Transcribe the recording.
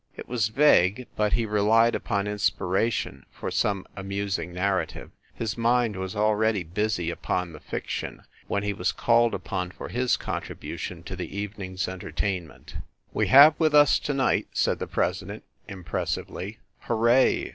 It was vague, but he relied upon inspiration for some amusing nar rative. His mind was already busy upon the fiction when he was called upon for his contribution to the evening s entertainment. "We have with us to night," said the president, impressively "Hooray!"